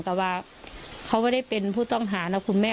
แต่ว่าเขาไม่ได้เป็นผู้ต้องหานะคุณแม่